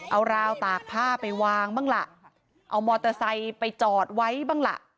เอาราวตากผ้าไปวางบ้างล่ะเอามอเตอร์ไซค์ไปจอดไว้บ้างล่ะ